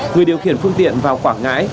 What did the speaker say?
người điều khiển phương tiện vào quảng ngãi